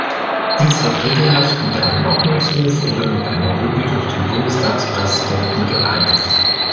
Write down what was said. Dies wird regelhaft mit einem Ordnungsruf oder mit einer Rüge durch den Bundestagspräsidenten geahndet.